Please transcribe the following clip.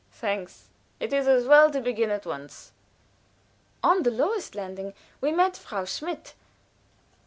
"Thanks, it is as well to begin at once." On the lowest landing we met Frau Schmidt.